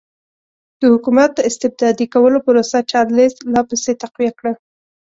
د حکومت استبدادي کولو پروسه چارلېس لا پسې تقویه کړه.